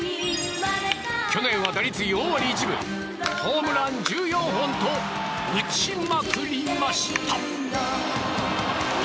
去年は打率４割１分ホームラン１４本と打ちまくりました。